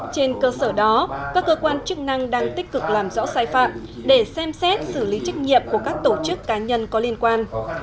trên cơ sở đó các cơ quan chức năng đang tích cực làm rõ sai phạm để xem xét xử lý trách nhiệm của các tổ chức cá nhân có liên quan